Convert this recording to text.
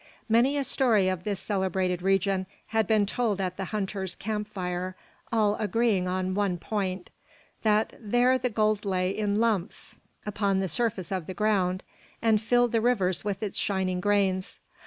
Many a story of this celebrated region had been told at the hunters' camp fire, all agreeing in one point: that there the gold lay in "lumps" upon the surface of the ground, and filled the rivers with its shining grains.